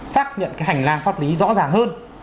xác nhận hành lang pháp lý rõ ràng hơn